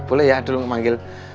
boleh ya adul ngemanggil